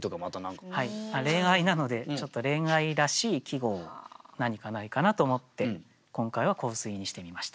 「恋愛」なのでちょっと恋愛らしい季語を何かないかなと思って今回は「香水」にしてみました。